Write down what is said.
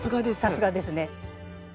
さすがですね。